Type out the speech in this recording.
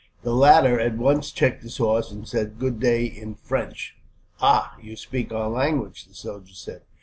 The latter at once checked his horse, and said good day, in French. "Ah, you speak our language!" the soldier said.